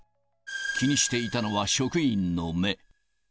気にしていたのは職員の目。